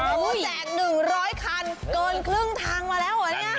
แจก๑๐๐คันเกินครึ่งทางมาแล้ว